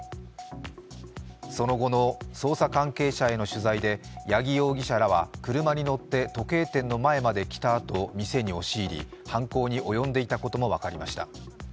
その後の捜査関係者への取材で八木容疑者らは車に乗って時計店の前まで来たあと店に押し入り犯行に及んでいたことも分かりました。